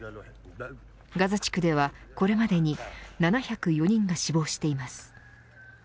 ガザ地区では、これまでに７０４人が死亡しています。